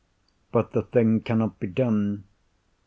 But the thing cannot be done.